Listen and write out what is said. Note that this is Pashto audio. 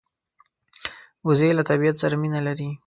وزې له طبیعت سره مینه لري